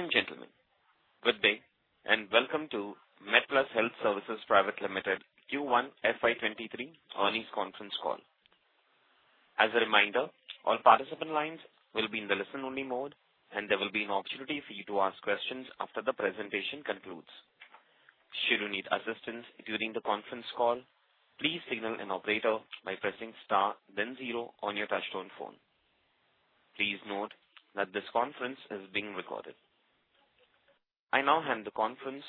Ladies and gentlemen, good day and welcome to MedPlus Health Services Limited Q1 FY2023 earnings conference call. As a reminder, all participant lines will be in the listen-only mode and there will be an opportunity for you to ask questions after the presentation concludes. Should you need assistance during the conference call, please signal an operator by pressing star then zero on your touch-tone phone. Please note that this conference is being recorded. I now hand the conference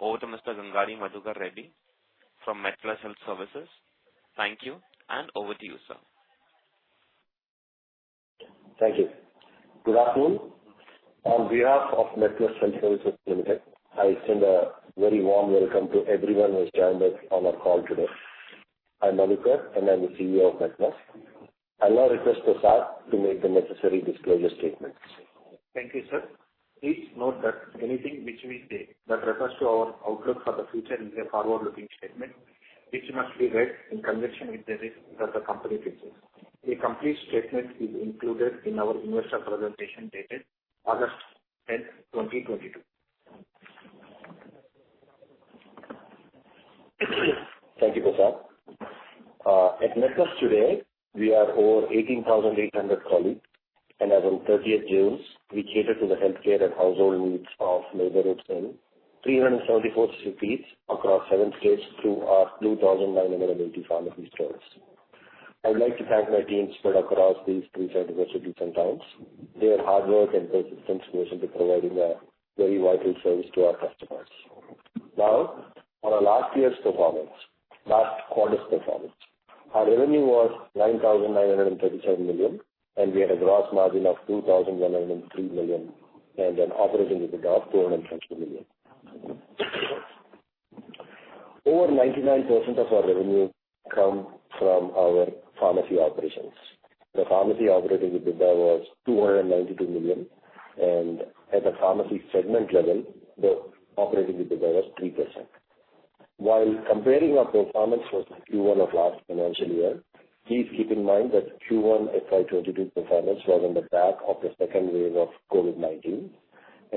over to Mr. Gangadi Madhukar Reddy from MedPlus Health Services. Thank you and over to you, sir. Thank you. Good afternoon. On behalf of MedPlus Health Services Limited, I extend a very warm welcome to everyone who has joined us on our call today. I'm Madhukar and I'm the CEO of MedPlus. I now request the staff to make the necessary disclosure statements. Thank you, sir. Please note that anything which we say that refers to our outlook for the future is a forward-looking statement which must be read in conjunction with the risk that the company faces. A complete statement is included in our investor presentation dated August 10th, 2022. Thank you, boss. At MedPlus today, we are over 18,800 colleagues and as of 30th June, we cater to the healthcare and household needs of neighborhoods in 374 cities across seven states through our 2,980 pharmacy stores. I'd like to thank my team spread across these these cities and cities and towns. Their hard work and persistence goes into providing a very vital service to our customers. Now, on our last year's performance, last quarter's performance, our revenue was 9,937 million and we had a gross margin of 2,103 million and an EBITDA of 220 million. Over 99% of our revenue comes from our pharmacy operations. The pharmacy EBITDA was 292 million and at the pharmacy segment level, the EBITDA was 3%. While comparing our performance with Q1 of last financial year, please keep in mind that Q1 FY2022 performance was in the back of the second wave of COVID-19.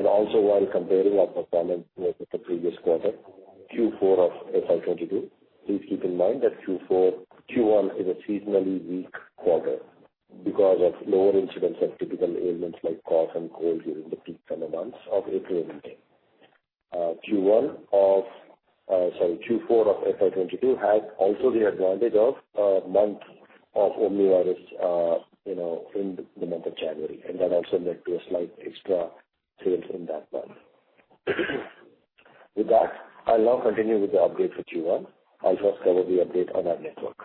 Also while comparing our performance with the previous quarter, Q4 of FY2022, please keep in mind that Q1 is a seasonally weak quarter because of lower incidence of typical ailments like cough and cold during the peak summer months of April and May. Q1 of sorry, Q4 of FY2022 had also the advantage of a month of Omicron in the month of January and that also led to a slight extra sales in that month. With that, I now continue with the update for Q1. I'll first cover the update on our network.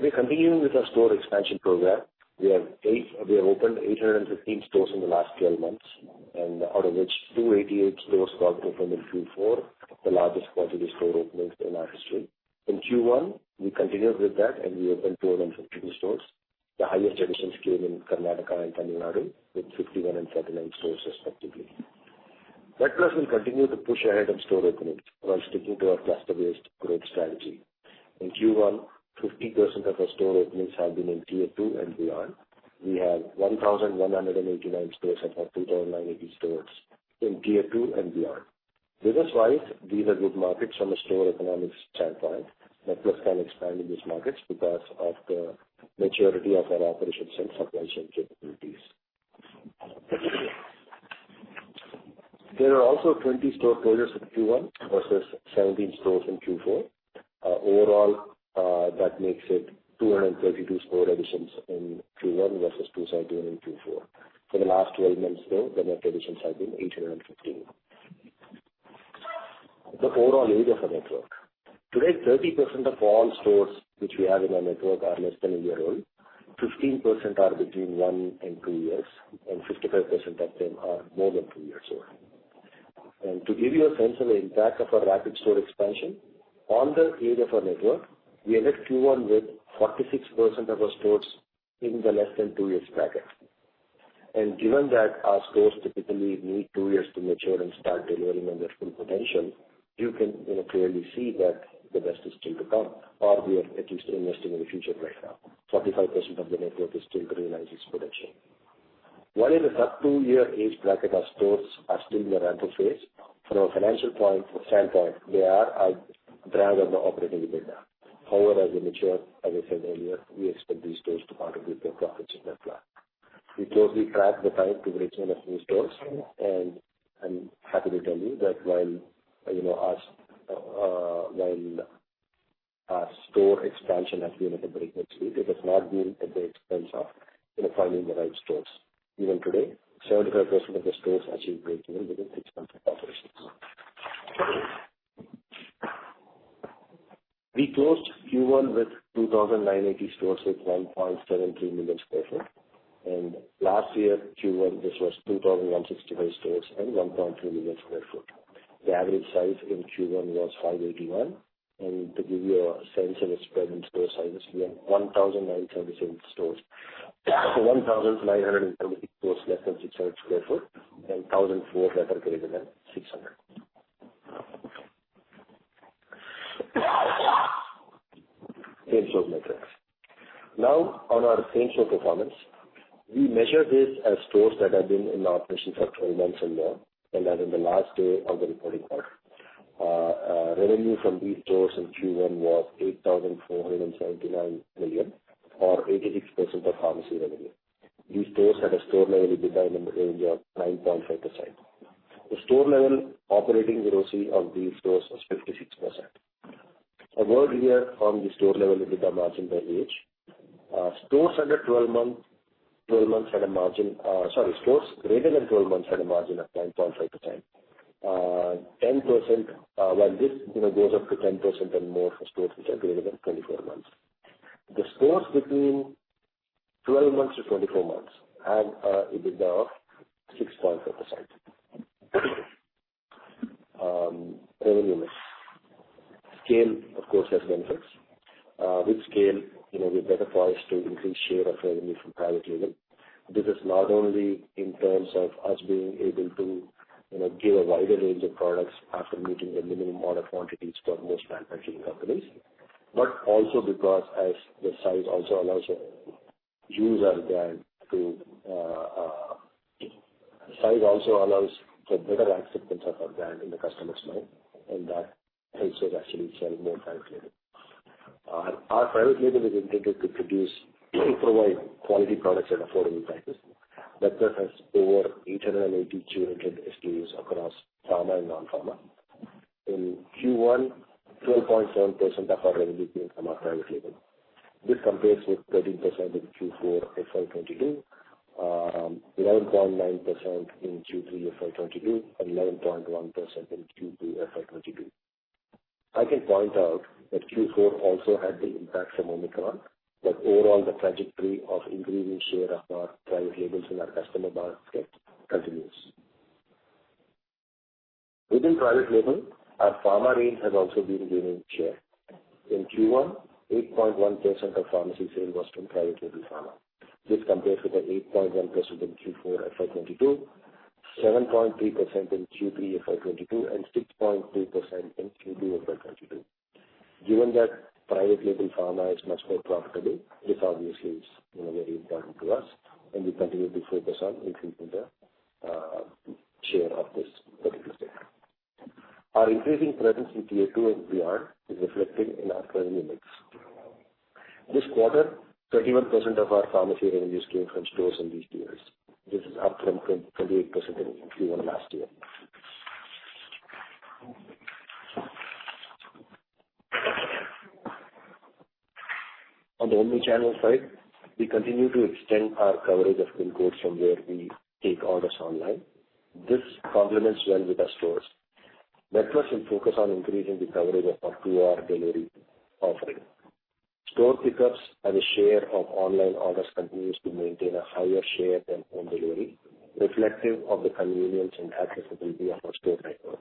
We're continuing with our store expansion program. We have opened 815 stores in the last 12 months and out of which 288 stores got opened in Q4, the largest quarterly store openings in our history. In Q1, we continued with that and we opened 252 stores. The highest additions came in Karnataka and Tamil Nadu with 51 and 49 stores respectively. MedPlus will continue to push ahead on store openings while sticking to our cluster-based growth strategy. In Q1, 50% of our store openings have been in Tier 2 and beyond. We have 1,189 stores across 2,980 stores in Tier 2 and beyond. Business-wise, these are good markets from a store economics standpoint. MedPlus can expand in these markets because of the maturity of our operations and supply chain capabilities. There are also 20 store closures in Q1 versus 17 stores in Q4. Overall, that makes it 232 store additions in Q1 versus 217 in Q4. For the last 12 months, though, the net additions have been 815. The overall age of our network today, 30% of all stores which we have in our network are less than a year old. 15% are between one and two years and 55% of them are more than two years old. To give you a sense of the impact of our rapid store expansion, on the age of our network, we ended Q1 with 46% of our stores in the less than two years bracket. Given that our stores typically need two years to mature and start delivering on their full potential, you can clearly see that the best is still to come or we are at least investing in the future right now. 45% of the network is still to realize its potential. While in the sub-two-year age bracket, our stores are still in the rental phase, from a financial standpoint, they are a drag on the EBITDA within that. However, as we mature, as I said earlier, we expect these stores to contribute their profits in that plan. We closely track the time to breakeven our new stores and I'm happy to tell you that while our store expansion has been at a breakneck speed, it has not been at the expense of finding the right stores. Even today, 75% of the stores achieved break-even within six months of operations. We closed Q1 with 2,980 stores with 1.73 million sq ft and last year Q1, this was 2,165 stores and 1.3 million sq ft. The average size in Q1 was 581 and to give you a sense of its present store sizes, we have 1,977 stores. 1,976 stores less than 600 sq ft and 1,004 that are greater than 600. Same store metrics. Now, on our same store performance, we measure this as stores that have been in operation for 12 months or more and as in the last day of the reporting quarter. Revenue from these stores in Q1 was 8,479 million or 86% of pharmacy revenue. These stores had a store-level EBITDA in the range of 9.5%. The store-level operating ROCE of these stores was 56%. A word here on the store-level EBITDA margin by age. Stores under 12 months had a margin sorry, stores greater than 12 months had a margin of 9.5%-10% while this goes up to 10% and more for stores which are greater than 24 months. The stores between 12 months to 24 months had an EBITDA of 6.5%. Revenue lift. Scale, of course, has benefits. With scale, we're better poised to increase share of revenue from private label. This is not only in terms of us being able to give a wider range of products after meeting the minimum order quantities for most manufacturing companies but also because the size also allows for better acceptance of our brand in the customer's mind and that helps us actually sell more private label. Our private label is intended to provide quality products at affordable prices. MedPlus has over 880 curated SKUs across pharma and non-pharma. In Q1, 12.7% of our revenue came from our private label. This compares with 13% in Q4 FY2022, 11.9% in Q3 FY2022, and 11.1% in Q2 FY2022. I can point out that Q4 also had the impact from Omicron but overall, the trajectory of increasing share of our private labels in our customer basket continues. Within private label, our pharma range has also been gaining share. In Q1, 8.1% of pharmacy sales was from private label pharma. This compares with the 8.1% in Q4 FY2022, 7.3% in Q3 FY2022, and 6.2% in Q2 FY2022. Given that private label pharma is much more profitable, this obviously is very important to us and we continue to focus on increasing the share of this particular segment. Our increasing presence in Tier 2 and beyond is reflected in our revenue mix. This quarter, 31% of our pharmacy revenues came from stores in these tiers. This is up from 28% in Q1 last year. On the omnichannel side, we continue to extend our coverage of PIN codes from where we take orders online. This complements well with our stores. MedPlus will focus on increasing the coverage of our two-hour delivery offering. Store pickups and the share of online orders continues to maintain a higher share than home delivery reflective of the convenience and accessibility of our store network.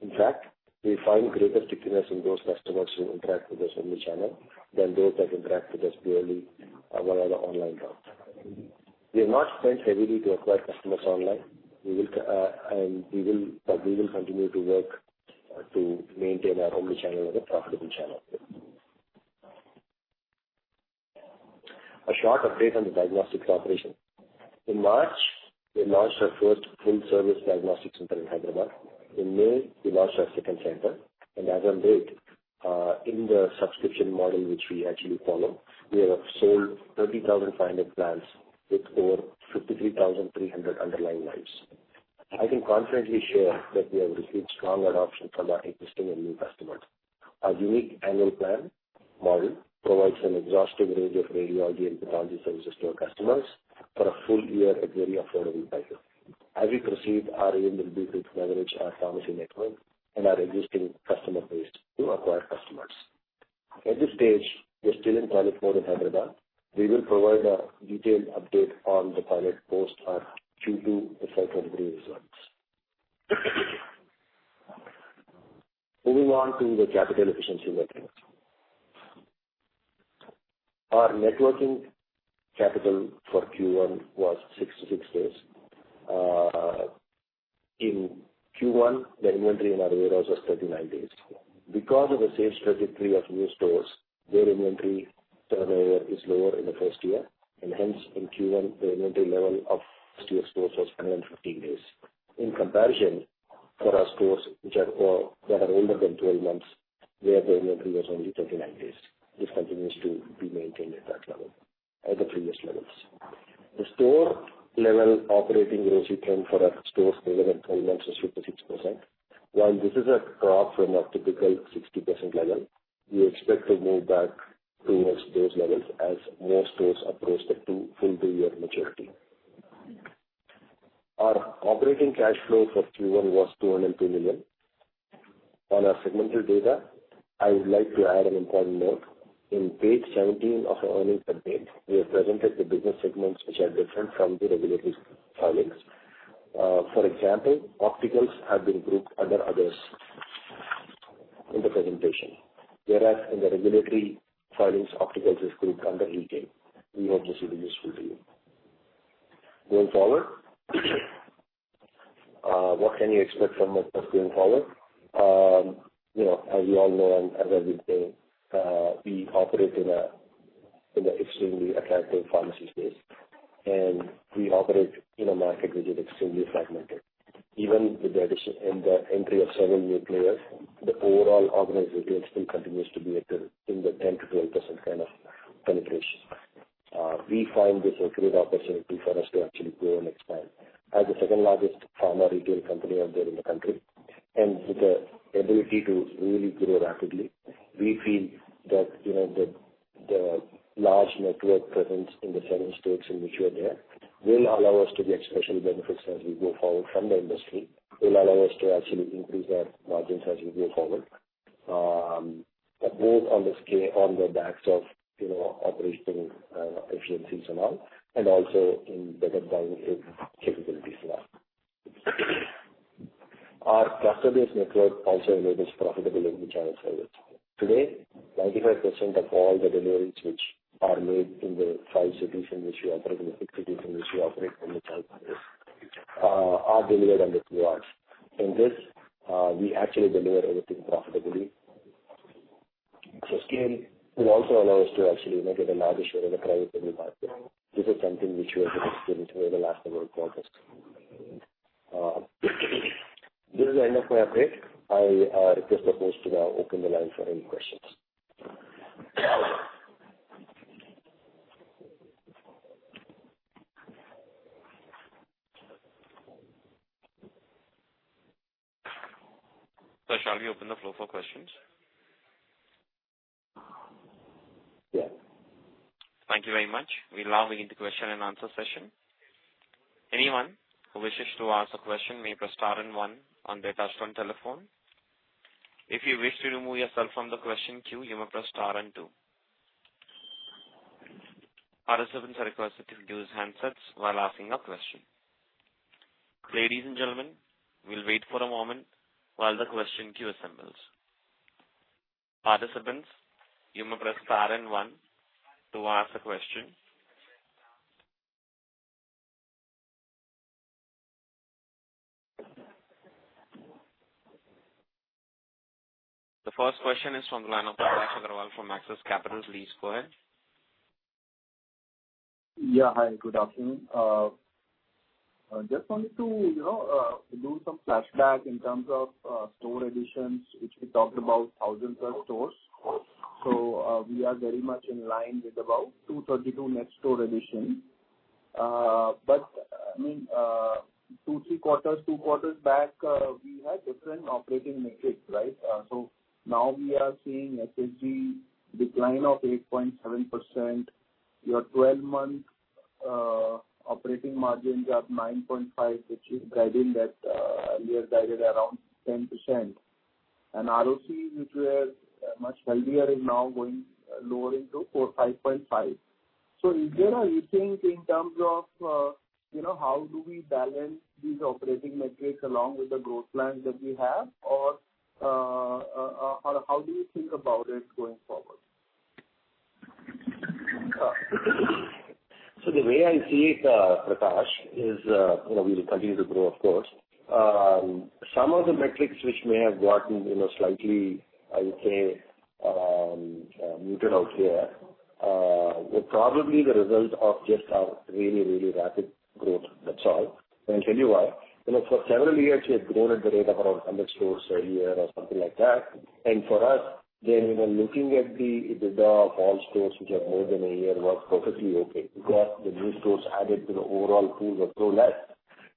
In fact, we find greater stickiness in those customers who interact with us omnichannel than those that interact with us purely via the online route. We have not spent heavily to acquire customers online and we will continue to work to maintain our omnichannel as a profitable channel. A short update on the diagnostics operation. In March, we launched our first full-service diagnostic center in Hyderabad. In May, we launched our second center and as of today, in the subscription model which we actually follow, we have sold 30,500 plans with over 53,300 underlying lines. I can confidently share that we have received strong adoption from our existing and new customers. Our unique annual plan model provides an exhaustive range of radiology and pathology services to our customers for a full year at very affordable prices. As we proceed, our aim will be to leverage our pharmacy network and our existing customer base to acquire customers. At this stage, we're still in pilot mode in Hyderabad. We will provide a detailed update on the pilot post our Q2 FY2023 results. Moving on to the capital efficiency metrics. Our net working capital for Q1 was 66 days. In Q1, the inventory in our warehouse was 39 days. Because of the same strategy of new stores, their inventory turnover is lower in the first year and hence in Q1, the inventory level of first-year stores was 115 days. In comparison, for our stores that are older than 12 months, where the inventory was only 39 days, this continues to be maintained at that level at the previous levels. The store-level operating ROC trend for our stores greater than 12 months was 56%. While this is a drop from our typical 60% level, we expect to move back towards those levels as more stores approach the full two-year maturity. Our operating cash flow for Q1 was 202 million. On our segmental data, I would like to add an important note. On page 17 of our earnings update, we have presented the business segments which are different from the regulatory filings. For example, Opticals have been grouped under Others in the presentation, whereas in the regulatory filings, Opticals is grouped under Retail. We hope this will be useful to you. Going forward, what can you expect from MedPlus going forward? As we all know and as I've been saying, we operate in an extremely attractive pharmacy space and we operate in a market which is extremely fragmented. Even with the entry of several new players, the overall organized retail rate still continues to be in the 10%-12% kind of penetration. We find this a great opportunity for us to actually grow and expand. As the second-largest pharma retail company out there in the country and with the ability to really grow rapidly, we feel that the large network presence in the seven states in which we are there will allow us to get special benefits as we go forward from the industry. It will allow us to actually increase our margins as we go forward both on the backs of operating efficiencies and all and also in better buying capabilities and all. Our cluster-based network also enables profitable omnichannel service. Today, 95% of all the deliveries which are made in the five cities in which we operate and the six cities in which we operate in the online service are delivered under two hours. In this, we actually deliver everything profitably. So scale will also allow us to actually get a larger share in the private label market. This is something which we are hoping to integrate over the last several quarters. This is the end of my update. I request the host to now open the line for any questions. Shall we open the floor for questions? Yeah. Thank you very much. We're now moving into question and answer session. Anyone who wishes to ask a question may press star and one on their touch-tone telephone. If you wish to remove yourself from the question queue, you may press star and two. Participants are requested to use handsets while asking a question. Ladies and gentlemen, we'll wait for a moment while the question queue assembles. Participants, you may press star and one to ask a question. The first question is from the line of Prakash Agarwal from Axis Capital. Please go ahead. Yeah. Hi. Good afternoon. Just wanted to do some flashback in terms of store additions which we talked about, thousands of stores. So we are very much in line with about 232 net store additions. But I mean, 2, 3 quarters, 2 quarters back, we had different operating metrics, right? So now we are seeing SSG decline of 8.7%. Your 12-month operating margins are 9.5% which is guiding that we are guided around 10%. And ROCE which we are much healthier is now going lowering to 4%-5.5%. So is there a rethink in terms of how do we balance these operating metrics along with the growth plans that we have or how do you think about it going forward? So the way I see it, Prakash, is we will continue to grow, of course. Some of the metrics which may have gotten slightly, I would say, muted out here were probably the result of just our really, really rapid growth. That's all. And I'll tell you why. For several years, we had grown at the rate of around 100 stores a year or something like that. And for us, then looking at the withdrawal of all stores which had more than a year was perfectly okay because the new stores added to the overall pool were so less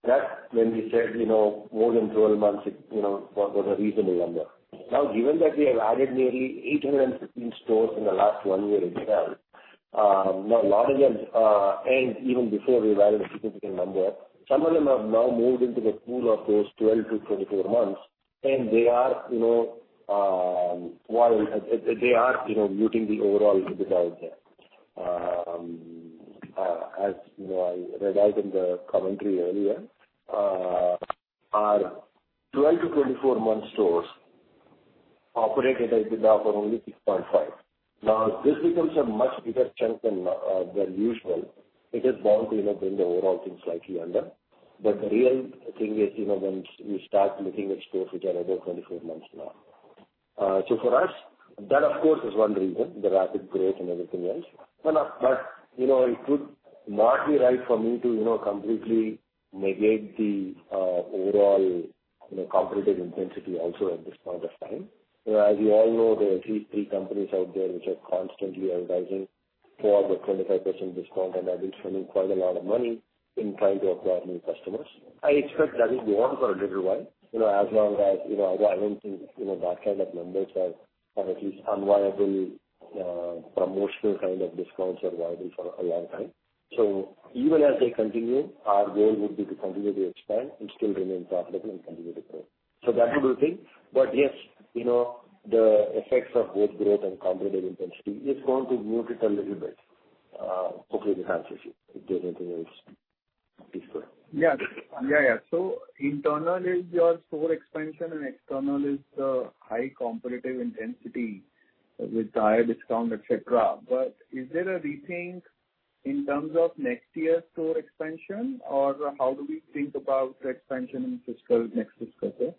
that when we said more than 12 months, it was a reasonable number. Now, given that we have added nearly 815 stores in the last one year itself, now a lot of them and even before we added a significant number, some of them have now moved into the pool of those 12-24 months and they are while they are muting the overall EBITDA there. As I read out in the commentary earlier, our 12-24-month stores operated at EBITDA for only 6.5%. Now, this becomes a much bigger chunk than usual. It is bound to bring the overall thing slightly under. But the real thing is once we start looking at stores which are over 24 months now. So for us, that, of course, is one reason, the rapid growth and everything else. But it would not be right for me to completely negate the overall competitive intensity also at this point of time. As you all know, there are at least three companies out there which are constantly advertising for the 25% discount and are spending quite a lot of money in trying to acquire new customers. I expect that will go on for a little while as long as I don't think that kind of numbers are at least unviable promotional kind of discounts are viable for a long time. So even as they continue, our goal would be to continue to expand and still remain profitable and continue to grow. So that would be the thing. But yes, the effects of both growth and competitive intensity is going to mute it a little bit. Hopefully, this answers you. If there's anything else, please go ahead. Yeah. Yeah, yeah. So internal is your store expansion and external is the high competitive intensity with higher discount, etc. But is there a rethink in terms of next year's store expansion or how do we think about the expansion in next fiscal year?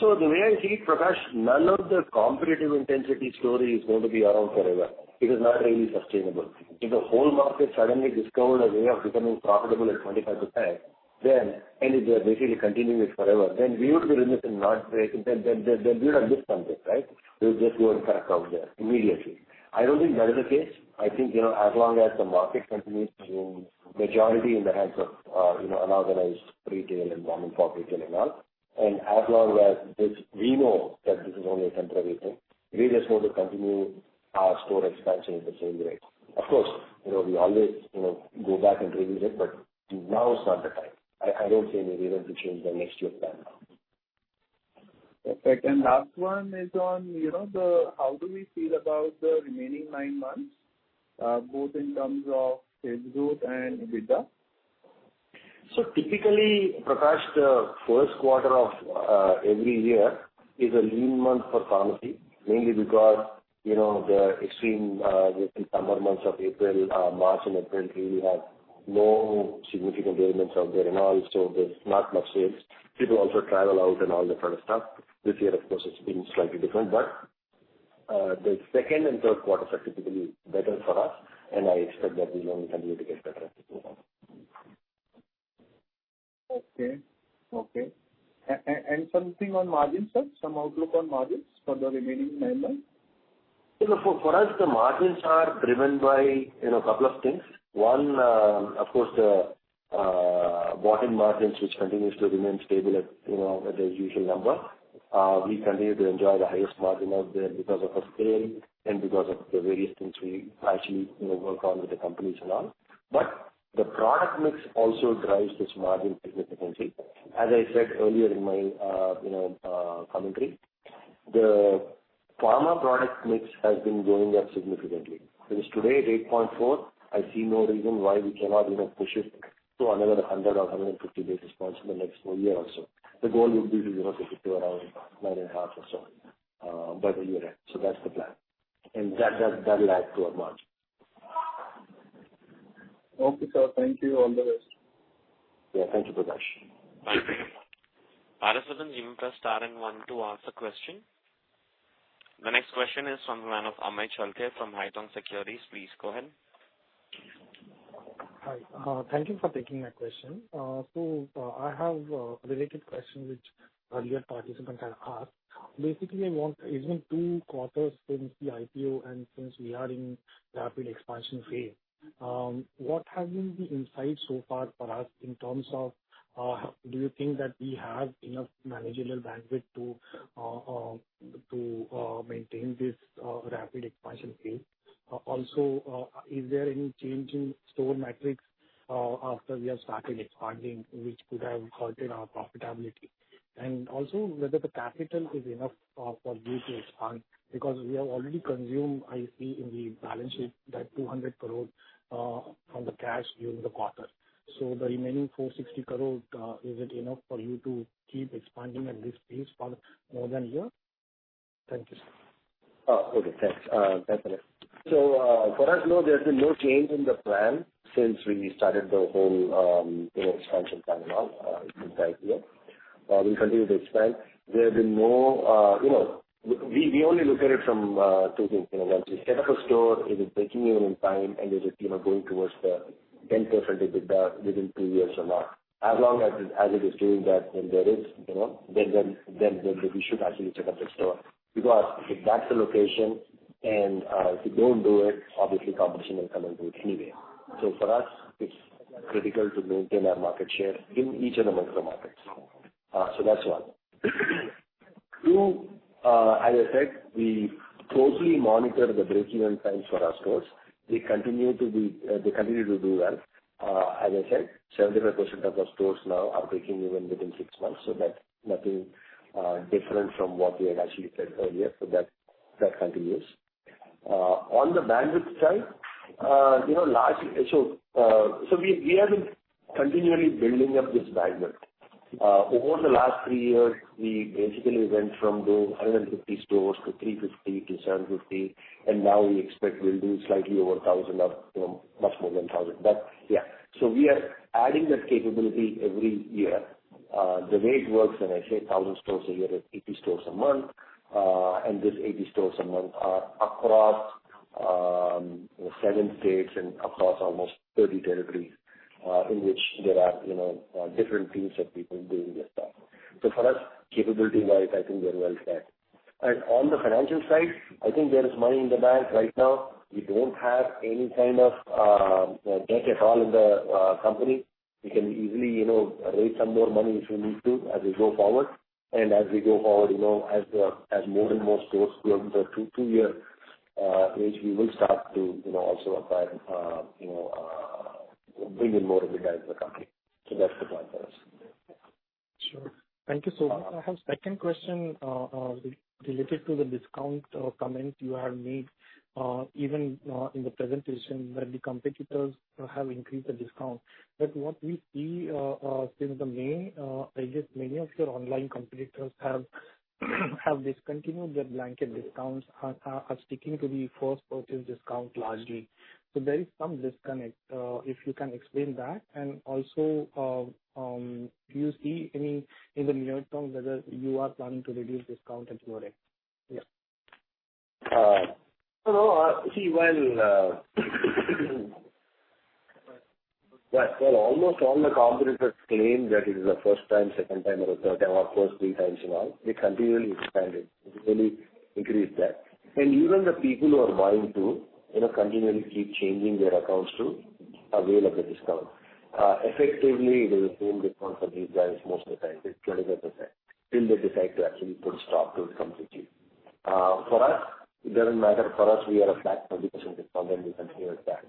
So the way I see it, Prakash, none of the competitive intensity story is going to be around forever because it's not really sustainable. If the whole market suddenly discovered a way of becoming profitable at 25% then and if they're basically continuing it forever, then we would be remiss in not then we would have missed something, right? We would just go and crack out there immediately. I don't think that is the case. I think as long as the market continues to be majority in the hands of unorganized retail and mom-and-pop retail and all and as long as we know that this is only a temporary thing, we just want to continue our store expansion at the same rate. Of course, we always go back and revisit but now is not the time. I don't see any reason to change the next year's plan now. Perfect. And last one is on the how do we feel about the remaining nine months both in terms of sales growth and EBITDA? So typically, Prakash, the first quarter of every year is a lean month for pharmacy mainly because the extreme summer months of April, March, and April really have no significant elements out there and all. So there's not much sales. People also travel out and all that kind of stuff. This year, of course, it's been slightly different. But the second and third quarters are typically better for us and I expect that we'll only continue to get better at this point of time. Okay. Okay. And something on margins, sir? Some outlook on margins for the remaining nine months? For us, the margins are driven by a couple of things. One, of course, the bought-in margins which continues to remain stable at their usual number. We continue to enjoy the highest margin out there because of our scale and because of the various things we actually work on with the companies and all. But the product mix also drives this margin significantly. As I said earlier in my commentary, the pharma product mix has been going up significantly. Because today, at 8.4%, I see no reason why we cannot push it to another 100 or 150 basis points in the next four years or so. The goal would be to get to around 9.5 or so by the year end. So that's the plan. And that will add to our margin. Okay, sir. Thank you. All the best. Yeah. Thank you, Prakash. Thank you. Participants, you may press star and one to ask a question. The next question is from the line of Amey Chalke from Haitong Securities. Please go ahead. Hi. Thank you for taking my question. So I have a related question which earlier participants had asked. Basically, it's been two quarters since the IPO and since we are in rapid expansion phase. What has been the insight so far for us in terms of do you think that we have enough managerial bandwidth to maintain this rapid expansion phase? Also, is there any change in store metrics after we have started expanding which could have hurt in our profitability? And also whether the capital is enough for you to expand because we have already consumed, I see in the balance sheet, that 200 crore from the cash during the quarter. So the remaining 460 crore, is it enough for you to keep expanding at this pace for more than a year? Thank you, sir. Okay. Thanks, Amey. So for us, no, there's been no change in the plan since we started the whole expansion plan and all since the IPO. We continue to expand. There have been no. We only look at it from two things. Once we set up a store, is it breaking even in time and is it going towards the 10% EBITDA within two years or not? As long as it is doing that and there is, then we should actually set up the store because if that's the location and if you don't do it, obviously, competition will come into it anyway. So for us, it's critical to maintain our market share in each of the micro markets. So that's one. Two, as I said, we closely monitor the break-even times for our stores. They continue to do well. As I said, 75% of our stores now are breaking even within six months, so that's nothing different from what we had actually said earlier, so that continues. On the bandwidth side, last so we have been continually building up this bandwidth. Over the last three years, we basically went from doing 150 stores to 350 to 750, and now we expect we'll do slightly over 1,000 of much more than 1,000. But yeah. So we are adding that capability every year. The way it works, when I say 1,000 stores a year, it's 80 stores a month, and this 80 stores a month are across seven states and across almost 30 territories in which there are different teams of people doing this stuff. So for us, capability-wise, I think we're well set. On the financial side, I think there is money in the bank right now. We don't have any kind of debt at all in the company. We can easily raise some more money if we need to as we go forward. As we go forward, as more and more stores grow into a two-year range, we will start to also acquire, bring in more EBITDA into the company. So that's the plan for us. Sure. Thank you, sir. I have a second question related to the discount comment you have made. Even in the presentation, the competitors have increased the discount. But what we see since the main, I guess many of your online competitors have discontinued their blanket discounts, are sticking to the first-purchase discount largely. So there is some disconnect. If you can explain that and also do you see any in the near term whether you are planning to reduce discount at your end? Yeah. Well, see, while almost all the competitors claim that it is the first time, second time, or the third time, or first, three times and all, they continually expanded. They really increased that. And even the people who are buying too continually keep changing their accounts too are available discounts. Effectively, it is the same discount for these guys most of the time. It's 25% till they decide to actually put a stop to it completely. For us, it doesn't matter. For us, we are a flat 30% discount and we continue at that.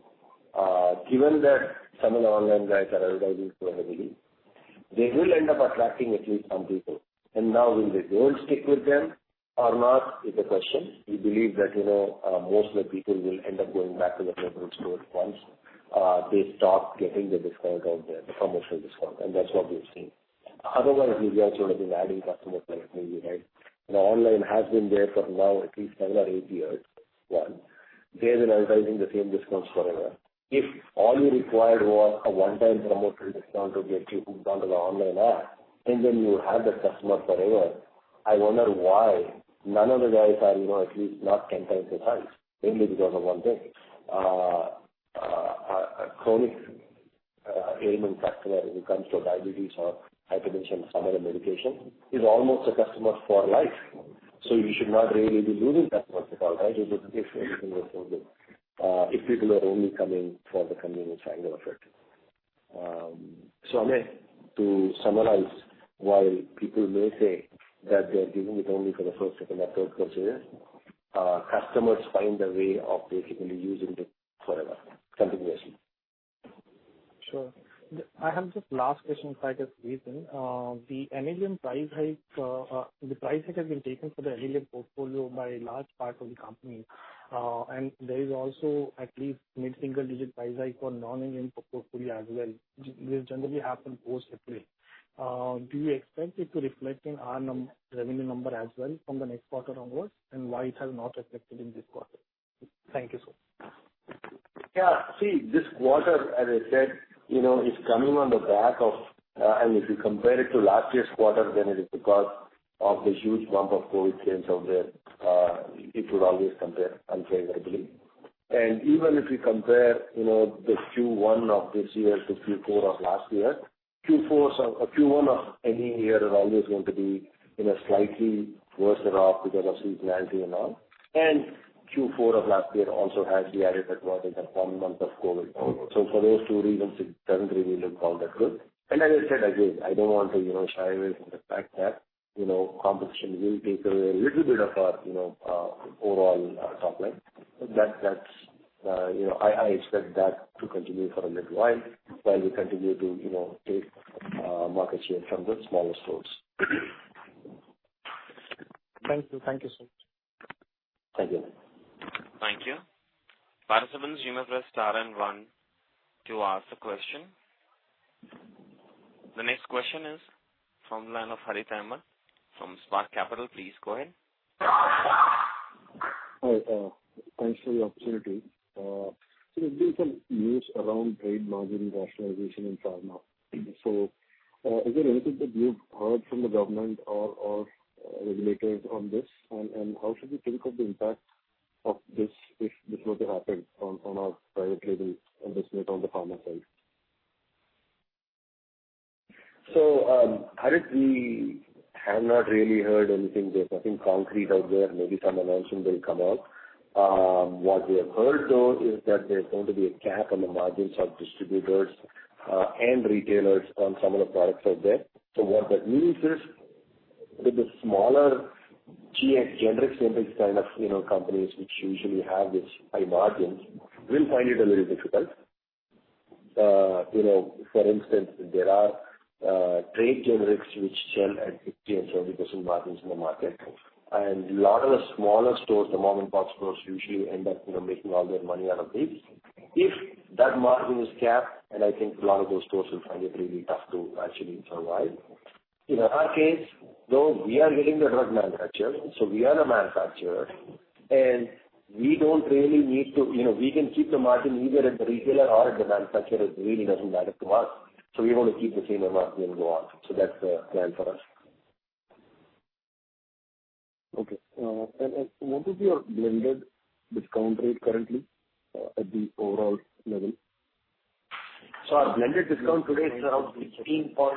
Given that some of the online guys are advertising so heavily, they will end up attracting at least some people. And now will they go and stick with them or not is a question. We believe that most of the people will end up going back to their local stores once they stop getting the discount out there, the promotional discount. And that's what we've seen. Otherwise, we've also been adding customers like me, you know? Online has been there for now at least 7 or 8 years. One, they've been advertising the same discounts forever. If all you required was a one-time promotional discount to get you hooked onto the online app and then you would have that customer forever, I wonder why none of the guys are at least not 10 times as high mainly because of one thing. A chronic ailment customer who comes for diabetes or hypertension from other medication is almost a customer for life. So you should not really be losing customers at all, right, if everything was so good, if people are only coming for the convenience angle of it. So Amey, to summarize, while people may say that they're dealing with only for the first, second, or third purchasers, customers find a way of basically using it forever, continuously. Sure. I have just last question if I get to speak then. The NLEM price hike the price hike has been taken for the NLEM portfolio by a large part of the company and there is also at least mid-single-digit price hike for non-NLEM portfolio as well. This generally happened post-April. Do you expect it to reflect in our revenue number as well from the next quarter onwards and why it has not reflected in this quarter? Thank you, sir. Yeah. See, this quarter, as I said, is coming on the back of and if you compare it to last year's quarter, then it is because of the huge bump of COVID claims out there. It would always compare unfavorably. And even if you compare the Q1 of this year to Q4 of last year, Q4 or Q1 of any year is always going to be slightly worse off because of seasonality and all. And Q4 of last year also has the added advantage of one month of COVID. So for those two reasons, it doesn't really look all that good. And as I said again, I don't want to shy away from the fact that competition will take away a little bit of our overall top line. But that's I expect that to continue for a little while while we continue to take market share from the smaller stores. Thank you. Thank you, sir. Thank you. Thank you. Participants, you may press star and one to ask a question. The next question is from the line of Harith Ahamed from Spark Capital. Please go ahead. Hi. Thanks for the opportunity. So there's been some news around trade margin rationalization in pharma. So is there anything that you've heard from the government or regulators on this and how should we think of the impact of this if this were to happen on our private label investment on the pharma side? So Harith, we have not really heard anything yet. Nothing concrete out there. Maybe some announcement will come out. What we have heard, though, is that there's going to be a cap on the margins of distributors and retailers on some of the products out there. So what that means is that the smaller Gx generics-based kind of companies which usually have this high margin will find it a little difficult. For instance, there are trade generics which sell at 50% and 70% margins in the market. And a lot of the smaller stores, the mom-and-pop stores, usually end up making all their money out of these. If that margin is capped, and I think a lot of those stores will find it really tough to actually survive. In our case, though, we are getting the drug manufacturer. So we are the manufacturer and we don't really need to we can keep the margin either at the retailer or at the manufacturer. It really doesn't matter to us. So we want to keep the same amount and go on. So that's the plan for us. Okay. What is your blended discount rate currently at the overall level? Our blended discount today is around 15.5%.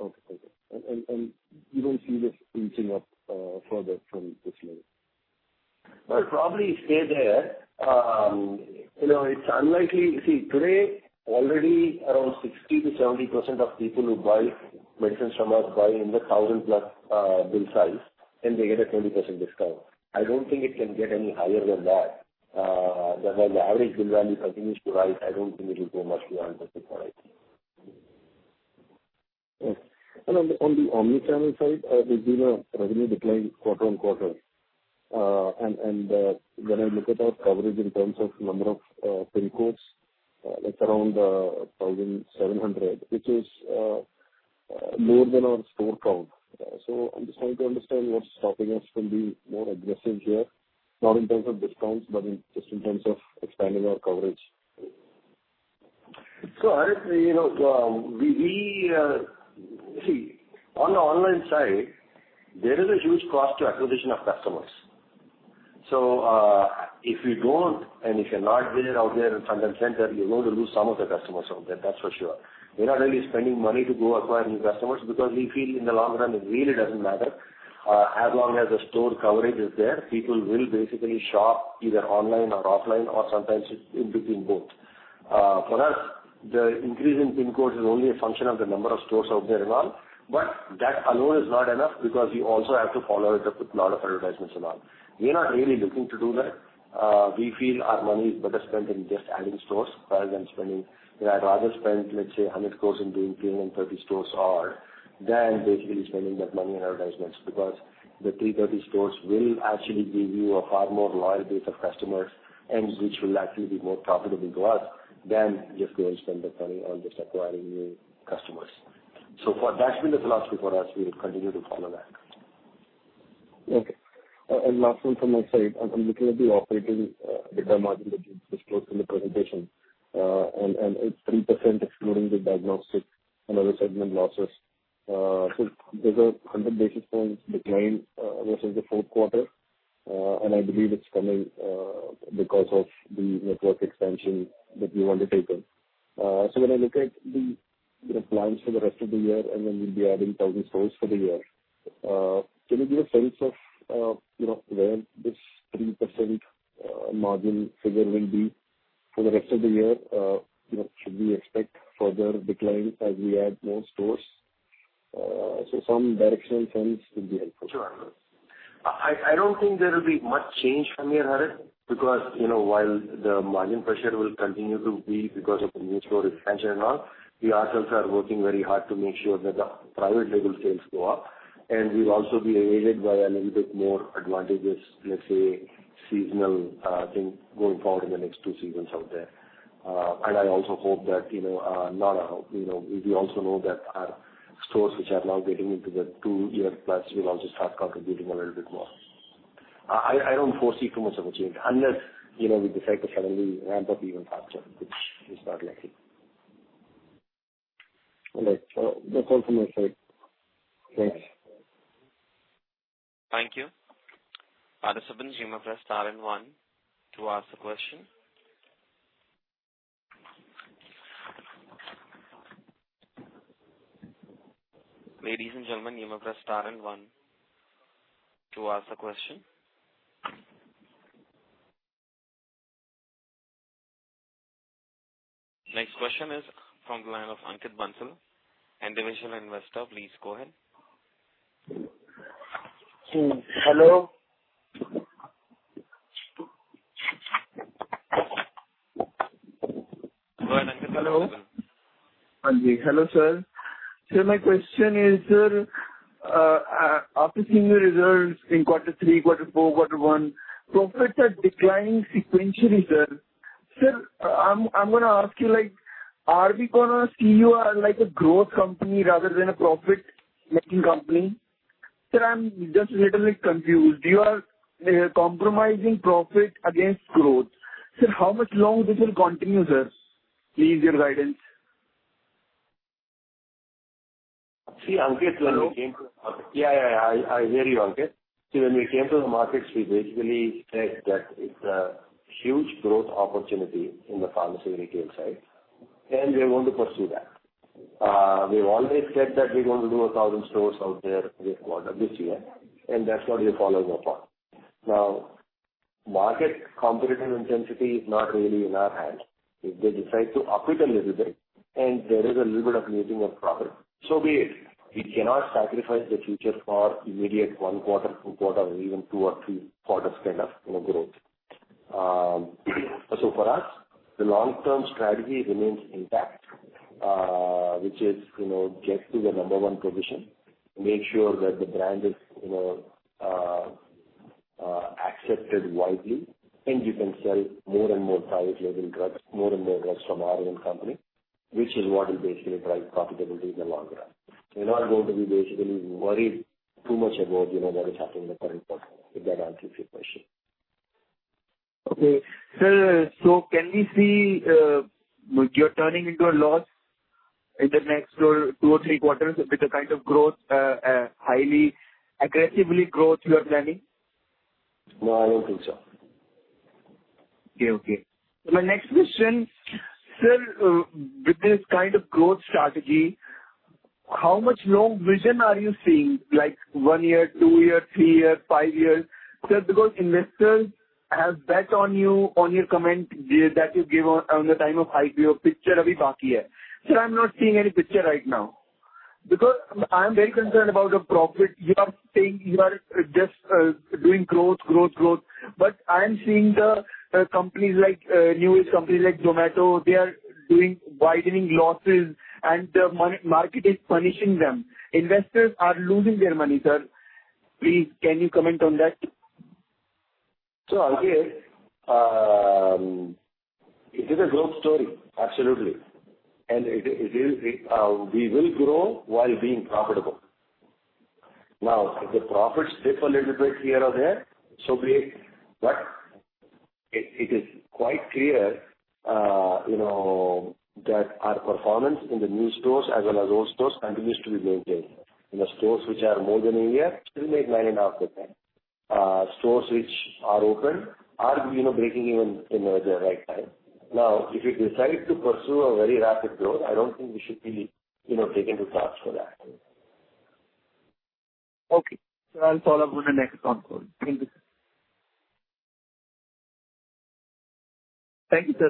Okay. Okay. You don't see this inching up further from this level? Well, it probably stayed there. It's unlikely, see, today, already around 60%-70% of people who buy medicines from us buy in the 1,000-plus bill size and they get a 20% discount. I don't think it can get any higher than that. While the average bill value continues to rise, I don't think it will go much beyond 20%, I think. Okay. And on the Omnichannel side, there's been a revenue decline quarter on quarter. And when I look at our coverage in terms of number of PIN codes, it's around 1,700, which is lower than our store count. So I'm just trying to understand what's stopping us from being more aggressive here, not in terms of discounts, but just in terms of expanding our coverage. So Harith, see, on the online side, there is a huge cost to acquisition of customers. So if you don't and if you're not there out there in front and center, you're going to lose some of the customers out there. That's for sure. We're not really spending money to go acquire new customers because we feel in the long run, it really doesn't matter. As long as the store coverage is there, people will basically shop either online or offline or sometimes in between both. For us, the increase in PIN codes is only a function of the number of stores out there and all. But that alone is not enough because you also have to follow it up with a lot of advertisements and all. We're not really looking to do that. We feel our money is better spent in just adding stores rather than spending I'd rather spend, let's say, 100 crore in doing 330 stores or than basically spending that money in advertisements because the 330 stores will actually give you a far more loyal base of customers and which will actually be more profitable to us than just go and spend that money on just acquiring new customers. So that's been the philosophy for us. We will continue to follow that. Okay. And last one from my side. I'm looking at the operating EBITDA margin that you disclosed in the presentation and it's 3% excluding the diagnostic and other segment losses. So there's a 100 basis points decline versus the fourth quarter. And I believe it's coming because of the network expansion that you undertaken. So when I look at the plans for the rest of the year and when we'll be adding 1,000 stores for the year, can you give a sense of where this 3% margin figure will be for the rest of the year? Should we expect further declines as we add more stores? So some directional sense would be helpful. Sure. I don't think there will be much change from here, Harith, because while the margin pressure will continue to be because of the new store expansion and all, we ourselves are working very hard to make sure that the private label sales go up. And we'll also be aided by a little bit more advantageous, let's say, seasonal thing going forward in the next two seasons out there. And I also hope that we also know that our stores which are now getting into the two-year plus will also start contributing a little bit more. I don't foresee too much of a change unless we decide to suddenly ramp up even faster, which is not likely. Okay. That's all from my side. Thanks. Thank you. Participants, you may press star and one to ask a question. Ladies and gentlemen, you may press star and one to ask a question. Next question is from the line of Ankit Bansal, individual investor. Please go ahead. See, hello. Go ahead, Ankit. Hello. Please go ahead. Hello sir. Sir, my question is, sir, after seeing the results in quarter three, quarter four, quarter one, profits are declining sequentially, sir. Sir, I'm going to ask you, are we going to see you as a growth company rather than a profit-making company? Sir, I'm just a little bit confused. You are compromising profit against growth. Sir, how much longer this will continue, sir? Please, your guidance. See, Ankit. I hear you, Ankit. See, when we came to the markets, we basically said that it's a huge growth opportunity in the pharmacy retail side. And we're going to pursue that. We've always said that we're going to do 1,000 stores out there this quarter this year. And that's what we're following upon. Now, market competitive intensity is not really in our hands. If they decide to up it a little bit and there is a little bit of losing of profit, so be it. We cannot sacrifice the future for immediate 1 quarter, 2 quarters, or even 2 or 3 quarters kind of growth. So for us, the long-term strategy remains intact, which is get to the number one position, make sure that the brand is accepted widely, and you can sell more and more private label drugs, more and more drugs from our own company, which is what will basically drive profitability in the long run. We're not going to be basically worried too much about what is happening in the current quarter, if that answers your question. Okay. Sir, so can we see you're turning into a loss in the next 2 or 3 quarters with the kind of growth, highly aggressively growth you are planning? No, I don't think so. Okay. Okay. My next question, sir, with this kind of growth strategy, how much long vision are you seeing, like one year, two year, three year, five years? Sir, because investors have bet on you, on your comment that you gave on the time of IPO, picture अभी बाकी है. Sir, I'm not seeing any picture right now because I'm very concerned about the profit. You are saying you are just doing growth, growth, growth. But I'm seeing the companies, newish companies like Zomato, they are doing widening losses and the market is punishing them. Investors are losing their money, sir. Please, can you comment on that? Sir, I'll say it. It is a growth story. Absolutely. And we will grow while being profitable. Now, if the profits dip a little bit here or there, so be it. But it is quite clear that our performance in the new stores as well as old stores continues to be maintained. Stores which are more than a year, still make 9.5%. Stores which are open are breaking even in the right time. Now, if we decide to pursue a very rapid growth, I don't think we should be taken to task for that. Okay. Sir, I'll follow up on the next on-call. Thank you. Thank you, sir. Thank you. Thank you. The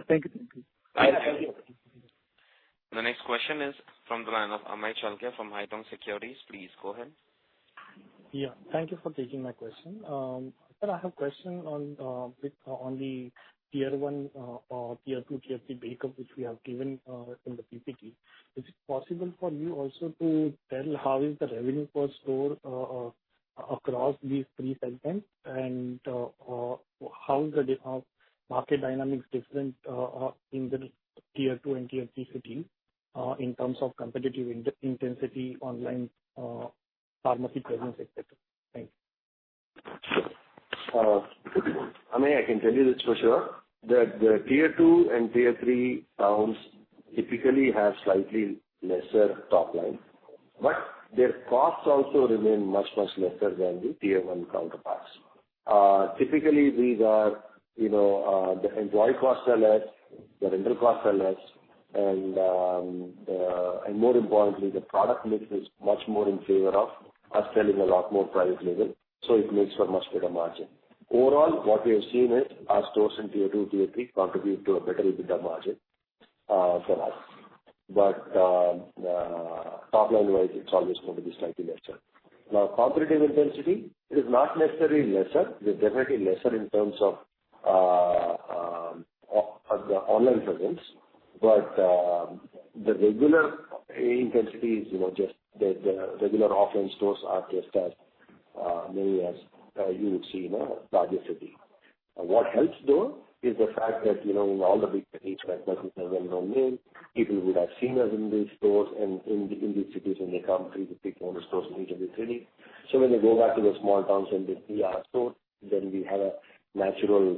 next question is from the line of Amey Chalke from Haitong Securities. Please go ahead. Yeah. Thank you for taking my question. Sir, I have a question on the Tier 1 or Tier 2, Tier 3 breakdown which we have given in the PPT. Is it possible for you also to tell how is the revenue per store across these three segments and how is the market dynamics different in the Tier 2 and Tier 3 cities in terms of competitive intensity, online pharmacy presence, etc.? Thank you. Sure. Amey, I can tell you this for sure. The Tier 2 and Tier 3 towns typically have slightly lesser top line. But their costs also remain much, much lesser than the Tier 1 counterparts. Typically, these are the employee costs are less, the rental costs are less, and more importantly, the product mix is much more in favor of us selling a lot more private label. So it makes for much better margin. Overall, what we have seen is our stores in Tier 2, Tier 3 contribute to a better bit of margin for us. But top line-wise, it's always going to be slightly lesser. Now, competitive intensity, it is not necessarily lesser. It is definitely lesser in terms of the online presence. But the regular intensity is just the regular offline stores are just as many as you would see in a larger city. What helps, though, is the fact that in all the big cities like Bangalore has a well-known name, people would have seen us in these stores and in these cities when they come through the big owner stores in each of these cities. So when they go back to the small towns and they see our store, then we have a natural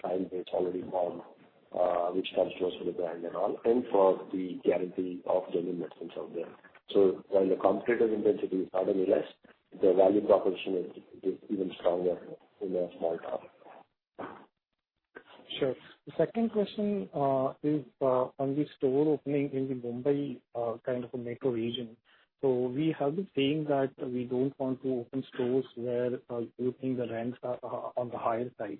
client base already formed which comes closer to the brand and all and for the guarantee of genuine medicines out there. So while the competitive intensity is not any less, the value proposition is even stronger in a small town. Sure. The second question is on the store opening in the Mumbai kind of a metro region. So we have been saying that we don't want to open stores where you think the rents are on the higher side.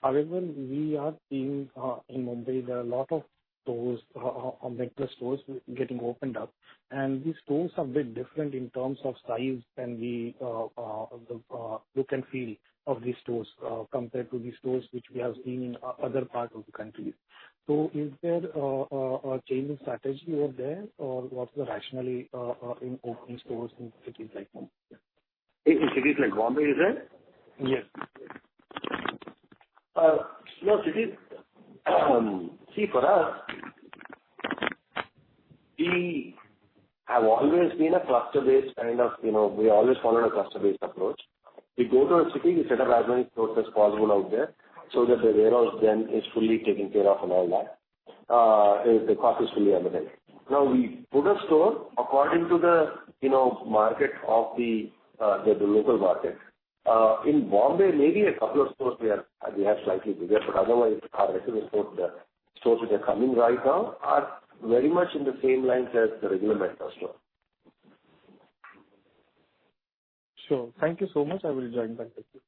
However, we are seeing in Mumbai, there are a lot of stores, omnichannel stores getting opened up. And these stores are a bit different in terms of size and the look and feel of these stores compared to the stores which we have seen in other parts of the country. So is there a change in strategy over there or what's the rationale in opening stores in cities like Mumbai? In cities like Bombay, you said? Yes. No, see, for us, we have always been a cluster-based kind of we always followed a cluster-based approach. We go to a city, we set up as many stores as possible out there so that the warehouse then is fully taken care of and all that. The cost is fully undertaken. Now, we put a store according to the market of the local market. In Bombay, maybe a couple of stores we have slightly bigger. But otherwise, our regular stores, the stores which are coming right now, are very much in the same line as the regular medical store. Sure. Thank you so much. I will join back with you.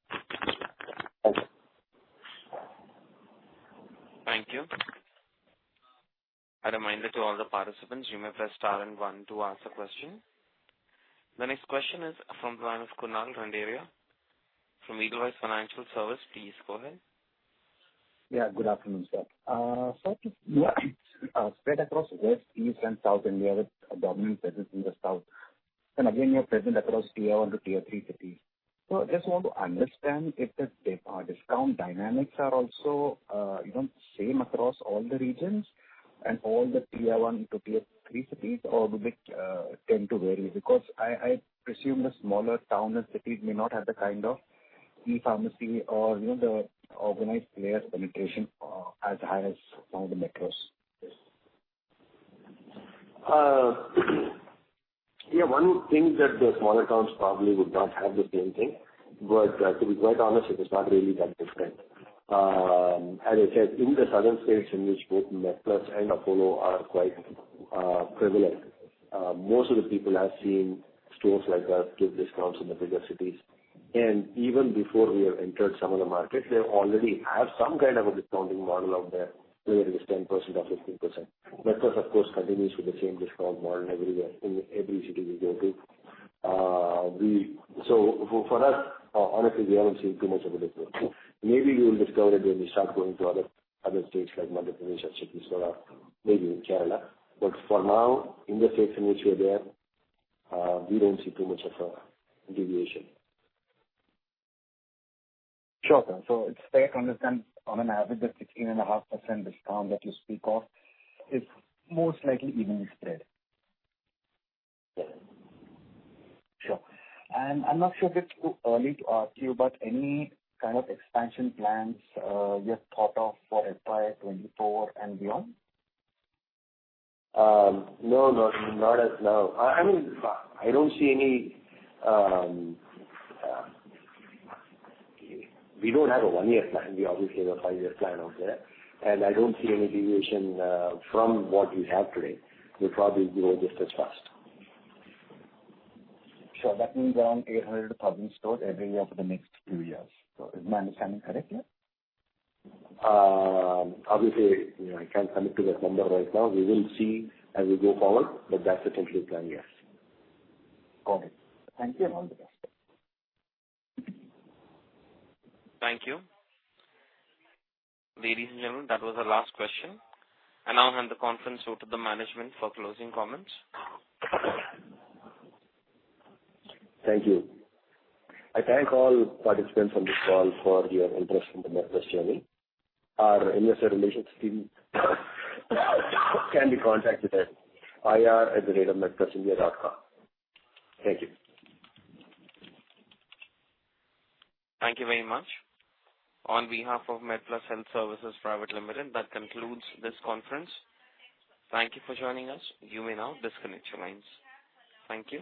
Thank you. Thank you. I reminded all the participants, you may press star and one to ask a question. The next question is from the line of Kunal Randeria from Edelweiss Financial Services. Please go ahead. Yeah. Good afternoon, sir. Sort of spread across West, East, and South India with a dominant presence in the south. And again, you're present across Tier 1 to Tier 3 cities. So I just want to understand if the discount dynamics are also same across all the regions and all the Tier 1 to Tier 3 cities or do they tend to vary? Because I presume the smaller town and cities may not have the kind of e-pharmacy or the organized player penetration as high as some of the metros. Yeah. One thing that the smaller towns probably would not have the same thing. But to be quite honest, it is not really that different. As I said, in the southern states in which both MedPlus and Apollo are quite prevalent, most of the people have seen stores like us give discounts in the bigger cities. And even before we have entered some of the markets, they already have some kind of a discounting model out there whether it is 10% or 15%. MedPlus, of course, continues with the same discount model everywhere in every city we go to. So for us, honestly, we haven't seen too much of a difference. Maybe you will discover it when you start going to other states like Madhya Pradesh or cities like maybe in Kerala. But for now, in the states in which we are there, we don't see too much of a deviation. Sure, sir. So it's fair to understand on an average, the 16.5% discount that you speak of is most likely evenly spread. Yeah. Sure. And I'm not sure if it's too early to ask you, but any kind of expansion plans you have thought of for FY2024 and beyond? No, not as of now. I mean, I don't see any. We don't have a 1-year plan. We obviously have a 5-year plan out there. I don't see any deviation from what we have today. We'll probably grow just as fast. Sure. That means around 800-1,000 stores every year for the next two years. So is my understanding correct, yeah? Obviously, I can't commit to that number right now. We will see as we go forward. But that's the temporary plan, yes. Got it. Thank you and all the best. Thank you. Ladies and gentlemen, that was the last question. I'll hand the conference over to the management for closing comments. Thank you. I thank all participants on this call for your interest in the MedPlus journey. Our investor relations team can be contacted at ir@medplusindia.com. Thank you. Thank you very much. On behalf of MedPlus Health Services Limited, that concludes this conference. Thank you for joining us. You may now disconnect your lines. Thank you.